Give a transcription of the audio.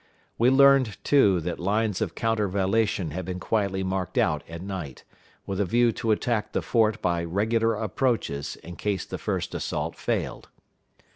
We learned, too, that lines of countervallation had been quietly marked out at night, with a view to attack the fort by regular approaches in case the first assault failed.